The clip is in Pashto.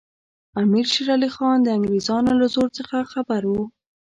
امیر شېر علي خان د انګریزانو له زور څخه خبر وو.